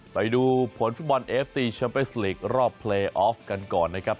ไปดูผลฟุตบอลเอฟซีแชมเปสลีกรอบเพลย์ออฟกันก่อนนะครับ